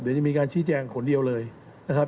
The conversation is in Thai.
เดี๋ยวจะมีการชี้แจงคนเดียวเลยนะครับ